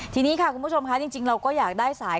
ทีนี้ค่ะคุณผู้ชมค่ะจริงเราก็อยากได้สาย